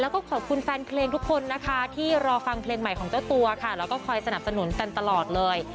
แล้วก็ขอบคุณแฟนเพลงทุกคนนะคะที่รอฟังเพลงใหม่ของเจ้าตัวค่ะแล้วก็คอยสนับสนุนกันตลอดเลย